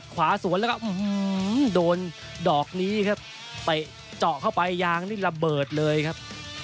ขวาสวนแล้วก็โดนดอกนี้ครับเตะเจาะเข้าไปยางนี่ระเบิดเลยครับ